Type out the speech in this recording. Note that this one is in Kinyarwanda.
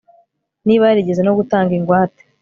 niba yarigeze no gutanga ingwate